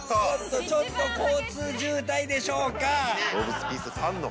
ちょっと交通渋滞でしょうか。